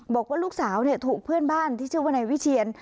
บอกว่าลูกสาวถูกเพื่อนบ้านที่ชื่อว่านายวิเชียน